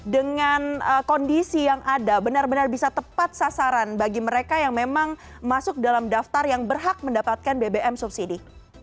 dengan kondisi yang ada benar benar bisa tepat sasaran bagi mereka yang memang masuk dalam daftar yang berhak mendapatkan bbm subsidi